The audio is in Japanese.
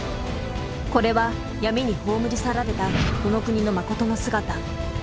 これは闇に葬り去られたこの国のまことの姿。